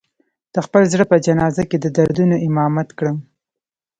د خپل زړه په جنازه کې د دردونو امامت کړم